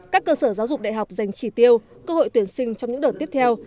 các cơ sở giáo dục đại học dành chỉ tiêu cơ hội tuyển sinh trong những đợt tiếp theo